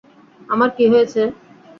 আমার কি হয়েছে?